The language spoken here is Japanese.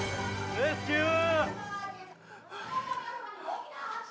レスキュー！